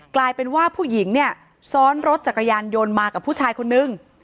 กลายเป็นว่าผู้หญิงเนี่ยซ้อนรถจักรยานยนต์มากับผู้ชายคนนึง